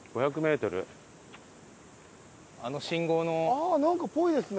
ああなんかぽいですね。